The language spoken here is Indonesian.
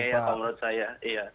kayaknya kalau menurut saya iya